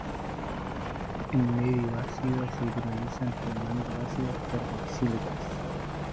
En medio ácido se hidrolizan formando ácidos carboxílicos.